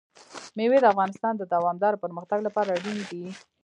مېوې د افغانستان د دوامداره پرمختګ لپاره اړین دي.